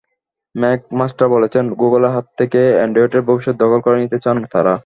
McMaster বলেছেন, গুগলের হাত থেকে অ্যান্ড্রয়েডের ভবিষ্যৎ দখল করে নিতে চান তাঁরা।